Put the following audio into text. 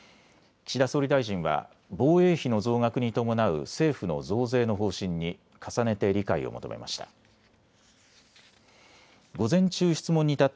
岸田総理大臣は防衛費の増額に伴う政府の増税の方針に重ねて理解を求めました。